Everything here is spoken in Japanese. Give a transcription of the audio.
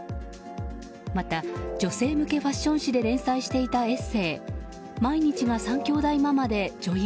また、女性向けファッション誌で連載していたエッセー「毎日が３兄弟ママで、女優。」